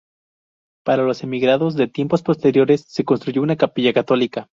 Para los emigrados de tiempos posteriores se construyó una capilla católica.